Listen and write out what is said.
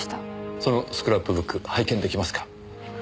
そのスクラップブック拝見出来ますか？